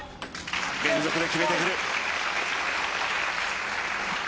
連続で決めてくる。